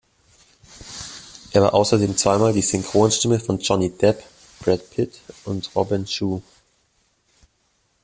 Er war außerdem zweimal die Synchronstimme von Johnny Depp, Brad Pitt und Robin Shou.